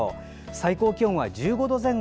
最高気温は１５度前後。